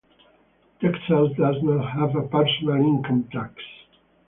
Texas does not have a personal income tax.